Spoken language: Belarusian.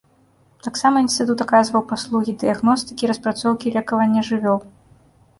Таксама інстытут аказваў паслугі дыягностыкі і распрацоўкі лекавання жывёл.